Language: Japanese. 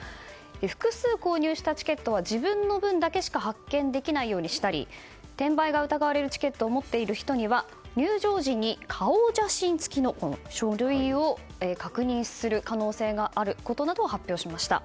複数購入したチケットは自分の分だけしか発券できないようにしたり転売が疑われるチケットを持っている人には入場時に、顔写真付きの書類を確認する可能性があることなどを発表しました。